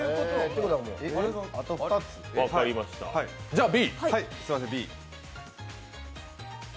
じゃあ、Ｂ。